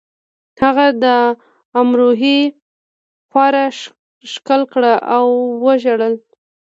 هغه د امروهې خاوره ښکل کړه او وژړل